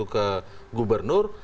lepaskan itu ke gubernur